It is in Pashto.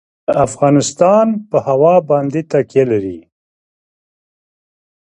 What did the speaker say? افغانستان په هوا باندې تکیه لري.